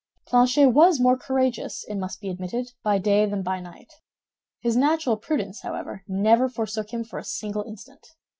Planchet was more courageous, it must be admitted, by day than by night. His natural prudence, however, never forsook him for a single instant.